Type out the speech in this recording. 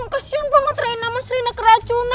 kasian banget rena mas rena kasian banget mas rena